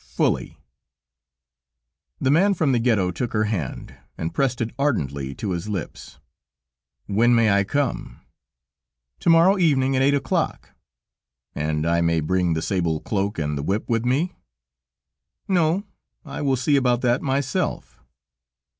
"Fully." The man from the Ghetto took her hand, and pressed it ardently to his lips. "When may I come?" "To morrow evening at eight o'clock." "And I may bring the sable cloak and the whip with me?" "No, I will see about that myself."